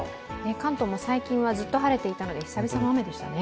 関東も最近はずっと晴れていたので久々の雨でしたね。